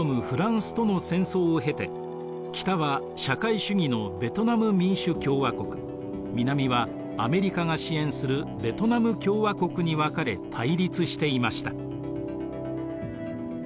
フランスとの戦争を経て北は社会主義のベトナム民主共和国南はアメリカが支援するベトナム共和国に分かれ対立していました。